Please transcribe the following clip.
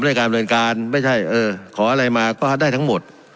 ด้วยการเรียนการไม่ใช่เออขออะไรมาก็ได้ทั้งหมด